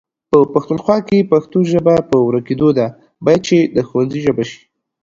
په پښتونخوا کې پښتو ژبه په ورکيدو ده، بايد چې د ښونځي ژبه شي